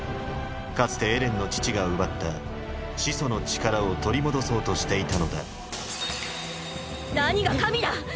かつてエレンの父が奪った「始祖の力」を取り戻そうとしていたのだ何が神だ！！